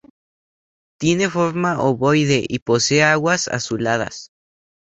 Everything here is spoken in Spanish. Tiene forma ovoide y posee aguas azuladas.